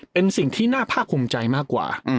เป็นสิ่งที่น่าภาคภูมิใจมากกว่า